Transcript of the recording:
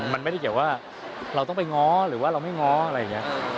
มันไม่ได้เกี่ยวว่าเราต้องไปง้อหรือว่าเราไม่ง้ออะไรอย่างนี้